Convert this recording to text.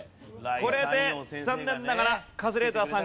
これで残念ながらカズレーザーさん